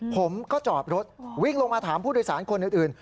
ผมก็จอดรถวิ่งลงมาถามผู้โดยสารคนอื่น